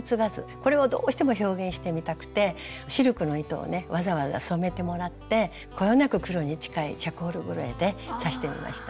これをどうしても表現してみたくてシルクの糸をねわざわざ染めてもらってこよなく黒に近いチャコールグレーで刺してみました。